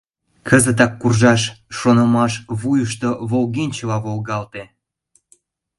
«Кызытак куржаш!» — шонымаш вуйышто волгенчыла волгалте.